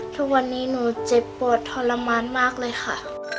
ทุกวันนี้หนูเจ็บปวดทรมานมากเลยค่ะ